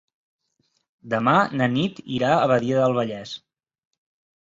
Demà na Nit irà a Badia del Vallès.